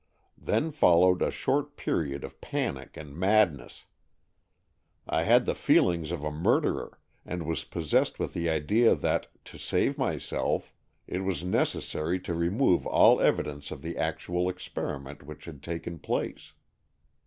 " Then followed a short period of panic and madness. I had the feelings of a murderer, and was possessed with the idea that, to save myself, it was necessary to remove all evidence of the actual experi ment which had taken place.